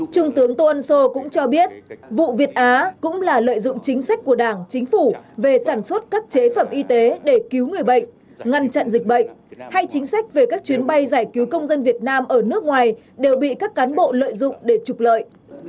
trung tướng tô ân sô cũng cho biết vụ việt á cũng là lợi dụng chính sách của đảng chính phủ về sản xuất các chế phẩm y tế để cứu người bệnh ngăn chặn dịch bệnh hay chính sách về các chuyến bay giải cứu công dân việt nam ở nước ngoài đều bị các cán bộ lợi dụng để trục lợi